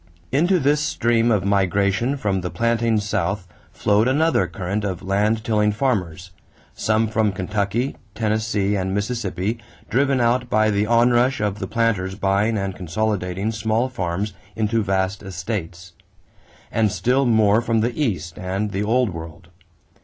Into this stream of migration from the planting South flowed another current of land tilling farmers; some from Kentucky, Tennessee, and Mississippi, driven out by the onrush of the planters buying and consolidating small farms into vast estates; and still more from the East and the Old World.